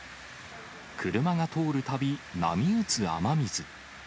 車が通るたび、波打つ雨水。